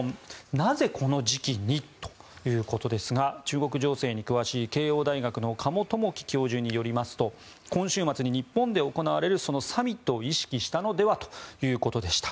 なぜこの時期にということですが中国情勢に詳しい慶應大学の加茂具樹教授によりますと今週末に日本で行われるそのサミットを意識したのではということでした。